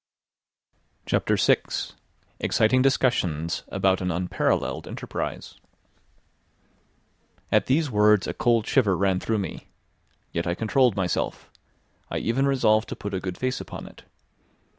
CHAPTER VI. EXCITING DISCUSSIONS ABOUT AN UNPARALLELED ENTERPRISE At these words a cold shiver ran through me. Yet I controlled myself; I even resolved to put a good face upon it.